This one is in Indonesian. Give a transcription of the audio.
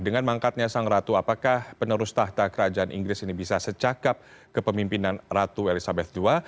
dengan mangkatnya sang ratu apakah penerus tahta kerajaan inggris ini bisa secakap ke pemimpinan ratu elizabeth ii